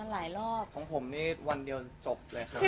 ขอบคุณครับ